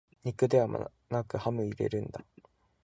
肉ではなくハム入れるんだ